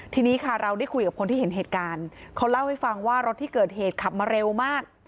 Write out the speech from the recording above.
ทีนี้ค่ะเราได้คุยกับคนที่เห็นเหตุการณ์เขาเล่าให้ฟังว่ารถที่เกิดเหตุขับมาเร็วมาก